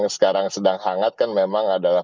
yang sekarang sedang hangat kan memang adalah